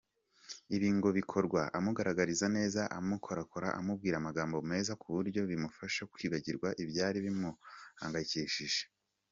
Ibi ngo bikorwa amuganiriza neza, amukorakora , amubwira magambo meza kuburyo bimufasha kwibagirwa ibyari bimuhangayikishije.